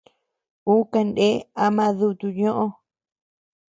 Uu kanee ama duutu ñoʼo.